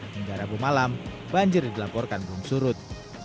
hingga rabu malam banjir dilaporkan belum surut